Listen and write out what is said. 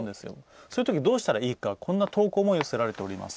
そんなときどうしたらいいか、こんな投稿も寄せられております。